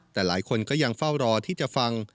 แต่หลายคนก็ยังเฝ้ารอที่จะฟัง